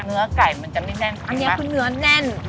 เนื้อไก่มันจะไม่แน่นอันนี้คือเนื้อแน่น